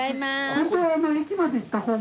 それか駅まで行った方が。